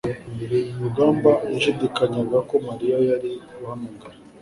rugamba yashidikanyaga ko mariya yari guhamagara